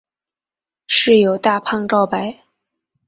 室友大胖告白。